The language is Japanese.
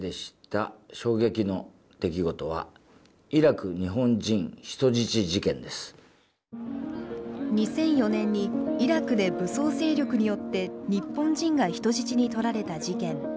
僕あの時思ったのはやっぱ２００４年にイラクで武装勢力によって日本人が人質に取られた事件。